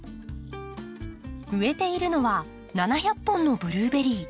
植えているのは７００本のブルーベリー。